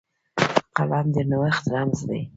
قلم د نوښت رمز دی